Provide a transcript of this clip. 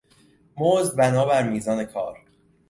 مزد بنابر میزان کار